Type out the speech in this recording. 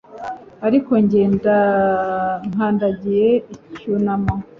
Ariko njye nkandagiye icyunamo